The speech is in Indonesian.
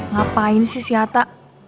ngapain sih si hata